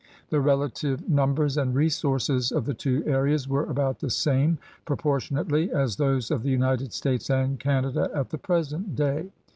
The relative numbers and resources of the two areas were about the same, proportionately, as those of the United States and Canada at the present day.